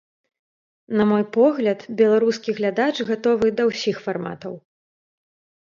На мой погляд, беларускі глядач гатовы да ўсіх фарматаў.